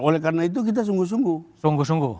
oleh karena itu kita sungguh sungguh